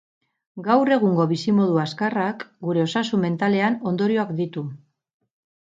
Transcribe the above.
Gaur egungo bizimodu azkarrak gure osasun mentalean ondorioak ditu.